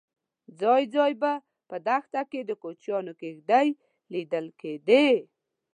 ځای ځای به په دښته کې د کوچیانو کېږدۍ لیدل کېدې.